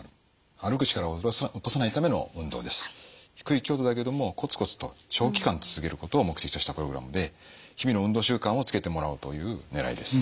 低い強度だけれどもコツコツと長期間続けることを目的としたプログラムで日々の運動習慣をつけてもらおうというねらいです。